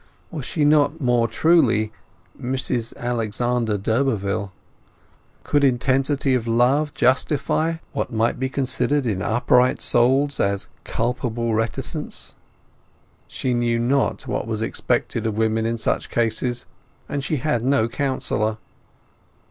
Was she not more truly Mrs Alexander d'Urberville? Could intensity of love justify what might be considered in upright souls as culpable reticence? She knew not what was expected of women in such cases; and she had no counsellor.